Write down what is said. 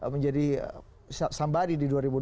menjadi sambadi di dua ribu dua puluh empat